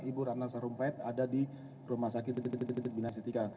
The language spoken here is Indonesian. ibu rana sarumpet ada di rumah sakit binasetika